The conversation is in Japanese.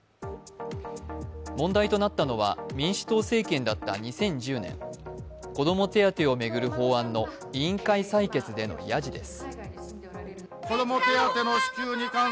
問題となったのは民主党政権だった２０１０年子ども手当を巡る法案の委員会採決でのやじです。